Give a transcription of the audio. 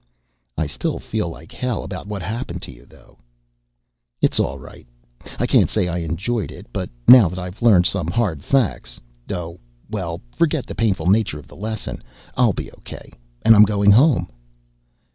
"I still feel like hell about what happened to you, though." "It's all right. I can't say I enjoyed it, but now that I've learned some hard facts oh, well, forget the painful nature of the lesson. I'll be okay. And I'm going home!"